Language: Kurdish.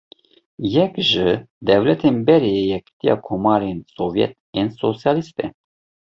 Yek ji dewletên berê yê Yekîtiya Komarên Sovyet ên Sosyalîst e.